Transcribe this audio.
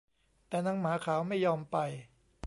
แต่นางหมาขาวไม่ยอมไป